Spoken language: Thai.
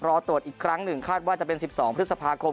รอตรวจอีกครั้งหนึ่งคาดว่าจะเป็น๑๒พฤษภาคม